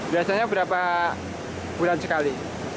biasanya berapa bulan sekali